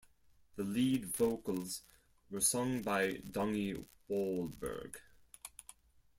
The lead vocals were sung by Donnie Wahlberg.